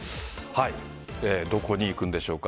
どこに行くんでしょうか。